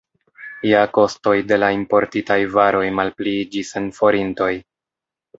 Ja kostoj de la importitaj varoj malpliiĝis en forintoj.